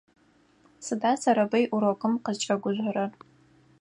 Сыда Сэрэбый урокым къызкӏэгужъорэр?